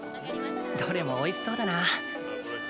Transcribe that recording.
どれもおいしそうだな。